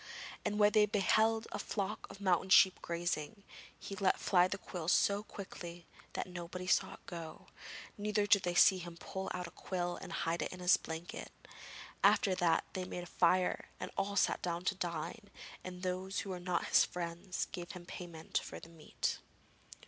And when they beheld a flock of mountain sheep grazing, he let fly the quill so quickly that nobody saw it go, neither did they see him pull out the quill and hide it in his blanket. After that they made a fire and all sat down to dine, and those who were not his friends gave him payment for the meat.